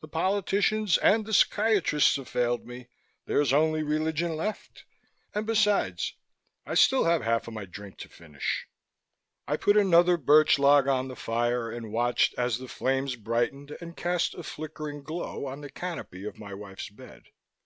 The politicians and the psychiatrists have failed me. There's only religion left. And besides, I still have half of my drink to finish." I put another birch log on the fire and watched as the flames brightened and cast a flickering glow on the canopy of my wife's bed.